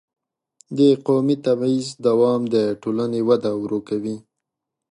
د قومي تبعیض دوام د ټولنې وده ورو کوي.